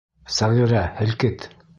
Сәғирә, һелкет!